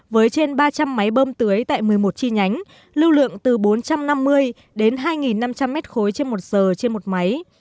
với trên ba trăm linh máy bơm tưới tại một mươi một chi nhánh lưu lượng từ bốn trăm năm mươi đến hai năm trăm linh mét khối trên một giờ trên một máy